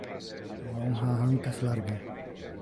Io non ha hancas large.